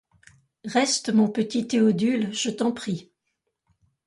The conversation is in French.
Reste, mon petit Théodule, je t'en prie.